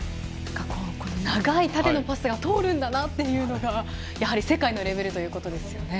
長い縦のパスが通るんだなというのが世界のレベルということですね。